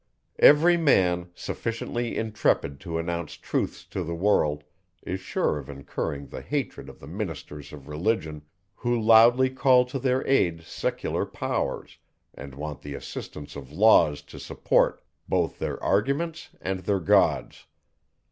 Every man, sufficiently intrepid to announce truths to the world, is sure of incurring the hatred of the ministers of Religion, who loudly call to their aid secular powers; and want the assistance of laws to support both their arguments and their gods.